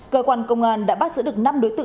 cơ quan công an đã bắt giữ được năm đối tượng